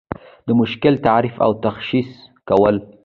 د مشکل تعریف او تشخیص کول.